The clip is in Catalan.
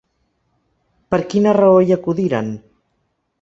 Per quina raó hi acudiren?